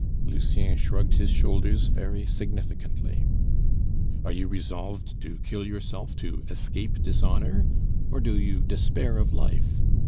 Lucien shrugged his shoulders very significantly. "Are you resolved to kill yourself to escape dishonor, or do you despair of life?